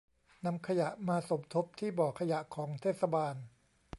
นำขยะมาสมทบที่บ่อขยะของเทศบาล